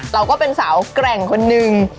เราก็เป็นสาวแกร่งคนหนึ่ง